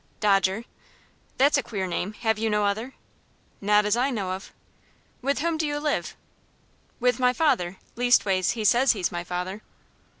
"Dodger." "That's a queer name; have you no other?" "Not as I know of." "With whom do you live?" "With my father. Leastways, he says he's my father."